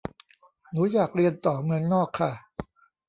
หนูอยากเรียนต่อเมืองนอกค่ะ